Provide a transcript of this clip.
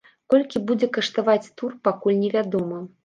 Колькі будзе каштаваць тур, пакуль невядома.